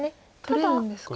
取れるんですか。